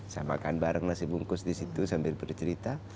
saya makan bareng nasi bungkus di situ sambil bercerita